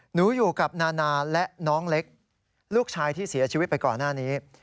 หนูอยู่กับนานาและน้องเล็กลูกชายที่เสียชีวิตไปก่อนหน้านี้